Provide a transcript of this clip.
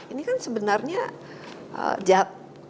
ini kan sebenarnya esensi